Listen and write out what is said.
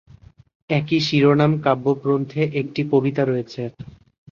একই শিরোনাম কাব্যগ্রন্থে একটি কবিতা রয়েছে।